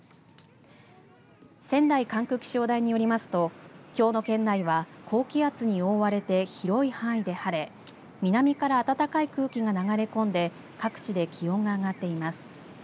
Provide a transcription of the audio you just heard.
仙台管区気象台によりますときょうの県内は高気圧に覆われて広い範囲で晴れ南から暖かい空気が流れ込んで各地で気温が上がっています。